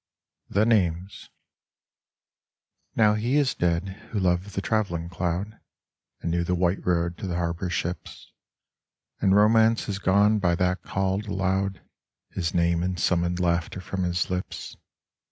31 THE NAMES Now he is dead who loved the traveling cloud And knew the white road to the harbor ships : And romance has gone by that called aloud His name, and summoned laughter from his lips.